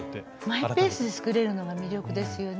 マイペースで作れるのが魅力ですよね。